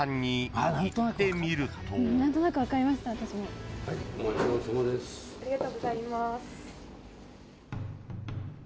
ありがとうございます。